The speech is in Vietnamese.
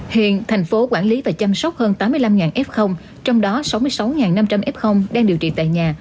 hiện thành phố quản lý và chăm sóc hơn tám mươi năm f trong đó sáu mươi sáu năm trăm linh f đang điều trị tại nhà